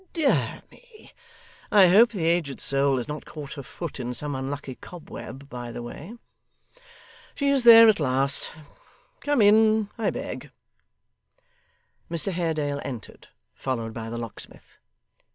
'Dear me! I hope the aged soul has not caught her foot in some unlucky cobweb by the way. She is there at last! Come in, I beg!' Mr Haredale entered, followed by the locksmith.